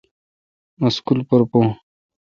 مہ سکول پر بھوں۔